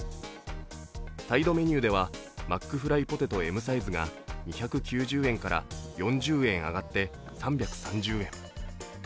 サイドメニューでは、マックフライポテトＭサイズが２９０円から４０円上がって３３０円。